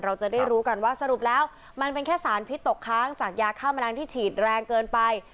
เราจะได้รู้กันว่าสรุปแล้วมันเป็นแค่สารพิษตกค้างจากยาฆ่าแมลงที่ฉีดแรงเกินไป